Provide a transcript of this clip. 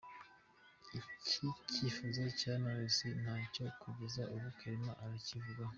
Iki cyifuzo cya Knowless ntacyo kugeza ubu Clement aracyivugaho.